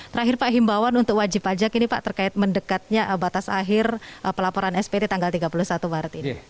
terakhir pak himbawan untuk wajib pajak ini pak terkait mendekatnya batas akhir pelaporan spt tanggal tiga puluh satu maret ini